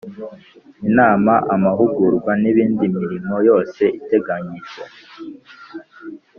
Inama amahugurwa nindi mirimo yose iteganyijwe